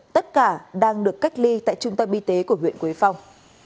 tất cả đang được cách ly tại trung tâm y tế của huyện quế phong